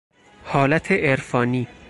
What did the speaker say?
حالت عرفانی